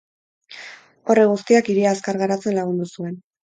Horrek guztiak hiria azkar garatzen lagundu zuen.